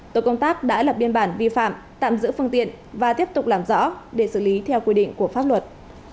tổ công tác đã lập biên bản vi phạm tạm giữ phương tiện và tiếp tục làm rõ để xử lý theo quy định của pháp luật